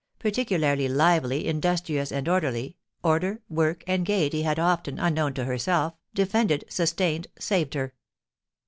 Particularly lively, industrious, and orderly, order, work, and gaiety had often, unknown to herself, defended, sustained, saved her.